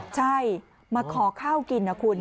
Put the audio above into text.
ใช่มาขอข้าวกินนะคุณ